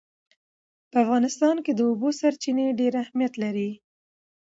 په افغانستان کې د اوبو سرچینې ډېر اهمیت لري.